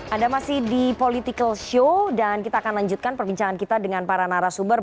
anda masih di political show dan kita akan lanjutkan perbincangan kita dengan para narasumber